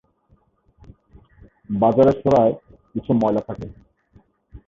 বাজারের সোরায় কিছু ময়লা থাকে।